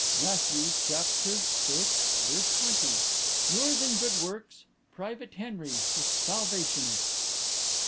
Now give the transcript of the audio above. (Matthew, chap, vi., v. 20.) "Yours in good works, "PRIVATE HENRY, THE SALVATIONIST.